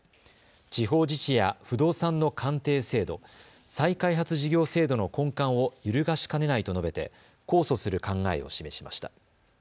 地方自治や不動産の鑑定制度、再開発事業制度の根幹を揺るがしかねないと述べて控訴する考えを示しました。